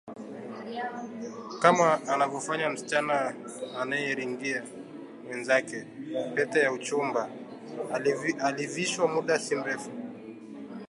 kama anavyofanya msichana anayeringia wenzake na pete ya uchumba aliyovishwa muda si mrefu